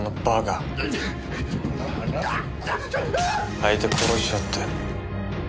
相手殺しちゃって。